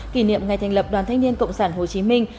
kỷ niệm ngày thành lập đoàn thanh niên cộng sản hồ chí minh